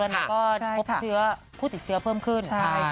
แล้วก็พบเชื้อผู้ติดเชื้อเพิ่มขึ้น